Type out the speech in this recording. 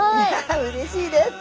うれしいです。